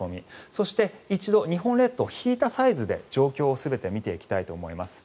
そして一度、日本列島引いたサイズで状況を見ていきたいと思います。